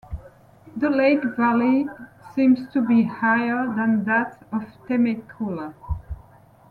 The lake valley seems to be higher than that of Temecula.